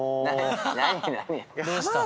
何？